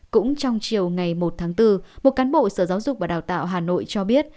cũng trong chiều ngày một tháng bốn một cán bộ sở giáo dục và đào tạo hà nội cho biết